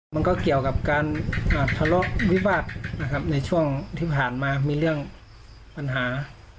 มันก็เกี่ยวกับการทะเลาะวิวาสนะครับในช่วงที่ผ่านมามีเรื่องปัญหา